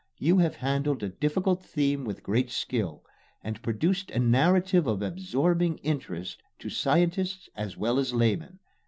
You have handled a difficult theme with great skill, and produced a narrative of absorbing interest to scientist as well as layman.